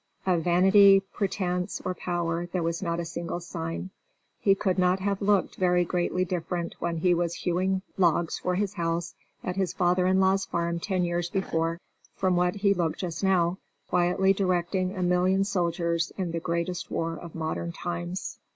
Of vanity, pretence, or power there was not a single sign. He could not have looked very greatly different when he was hewing logs for his house at his father in law's farm ten years before, from what he looked just now, quietly directing a million soldiers in the greatest war of modern times.